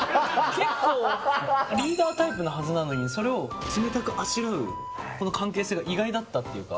結構、リーダータイプなはずなのに、それを冷たくあしらうこの関係性が意外だったというか。